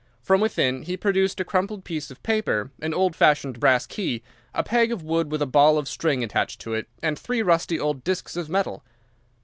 From within he produced a crumpled piece of paper, an old fashioned brass key, a peg of wood with a ball of string attached to it, and three rusty old disks of metal.